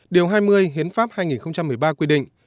điều hai mươi hiến pháp hai nghìn một mươi ba quy định